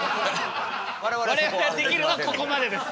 我々ができるのはここまでです。